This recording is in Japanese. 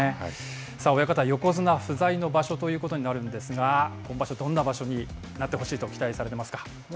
さあ親方、横綱不在の場所ということになるんですが、今場所、どんな場所になってほしいと期待さ